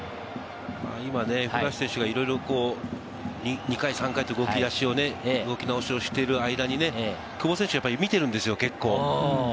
今、古橋選手がいろいろ２回３回と動き直しをしている間に久保選手は見ているんですよ、結構。